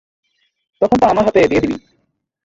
তাখন তা আমার হাতে দিয়ে দিবি।